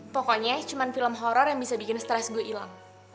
pokoknya cuma film horror yang bisa bikin stress gue hilang